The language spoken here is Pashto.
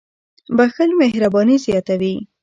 • بښل مهرباني زیاتوي.